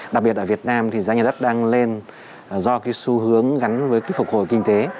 đặc biệt ở việt nam thì giá nhà đất đang lên do cái xu hướng gắn với cái phục hồi kinh tế